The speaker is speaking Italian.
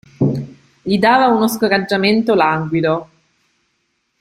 Gli dava uno scoraggiamento languido.